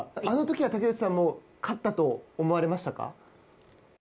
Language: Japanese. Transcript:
あのときは竹内さんも勝ったと思われましたか？